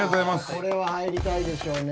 これは入りたいでしょうね。